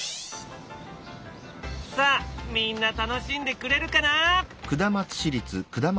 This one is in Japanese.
さあみんな楽しんでくれるかな。